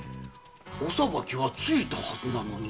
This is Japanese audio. お裁きはついたはずなのに？